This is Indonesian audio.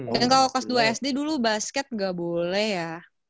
dan kalau kelas dua sd dulu basket nggak boleh ya